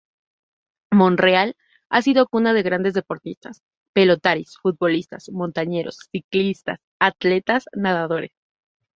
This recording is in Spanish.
Monreal ha sido cuna de grandes deportistas: pelotaris, futbolistas, montañeros, ciclistas, atletas, nadadores.